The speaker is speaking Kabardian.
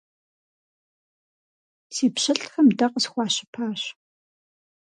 Си пщылӀхэм дэ къысхуащыпащ!